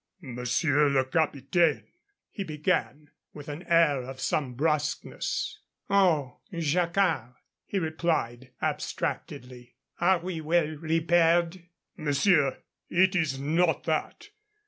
"Monsieur le Capitaine," he began, with an air of some brusqueness. "Oh, Jacquard," he replied, abstractedly, "are we well repaired?" "Monsieur, it is not that.